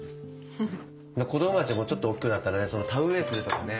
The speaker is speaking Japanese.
子どもたちもちょっと大っきくなったら田植えするとかね。